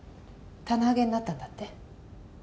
棚上げになったんだって？